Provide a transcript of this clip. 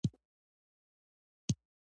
په دوی کې یو خړ او تور رنګ ته نژدې اس وو.